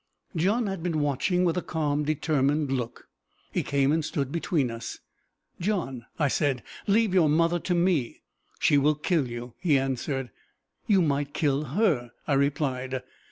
John had been watching with a calm, determined look. He came and stood between us. "John," I said, "leave your mother to me." "She will kill you!" he answered. "You might kill her!" I replied.